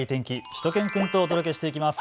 しゅと犬くんとお届けしていきます。